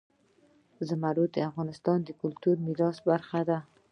زمرد د افغانستان د کلتوري میراث برخه ده.